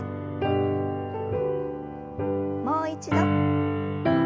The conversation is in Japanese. もう一度。